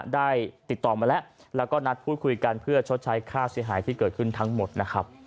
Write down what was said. ได้ติดต่อมาแล้วแล้วก็นัดพูดคุยกันเพื่อชดใช้ค่าเสียหายที่เกิดขึ้นทั้งหมดนะครับ